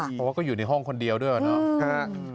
เพราะว่าก็อยู่ในห้องคนเดียวด้วยกันเนอะอืมฮะ